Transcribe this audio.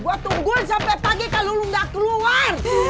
gue tungguin sampai kaget kalau lu gak keluar